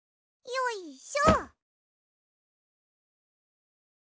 よいしょ！